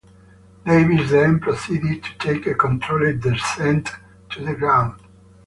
Davis then proceeded to take a controlled descent to the ground.